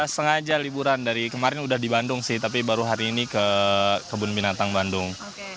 sengaja liburan dari kemarin udah di bandung sih tapi baru hari ini ke kebun binatang bandung